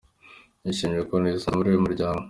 Yashimye ukuntu yisanze muri uyu muryango.